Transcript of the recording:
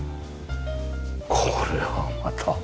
これはまた。